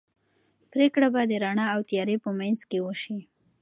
پرېکړه به د رڼا او تیارې په منځ کې وشي.